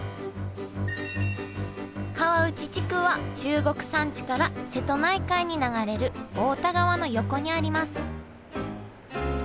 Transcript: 川内地区は中国山地から瀬戸内海に流れる太田川の横にあります。